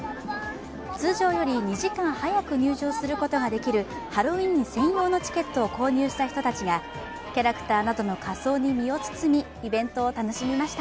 通常より２時間早く入場することができるハロウィーン専用のチケットを購入した人たちがキャラクターなどの仮装に身を包み、イベントを楽しみました。